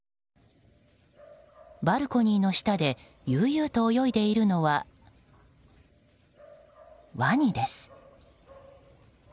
バルコニーの下で悠々と泳いでいるのは、ワニです。